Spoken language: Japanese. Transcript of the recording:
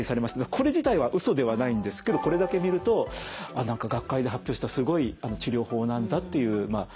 これ自体はうそではないんですけどこれだけ見ると「学会で発表したすごい治療法なんだ」っていう印象操作みたいなものですね。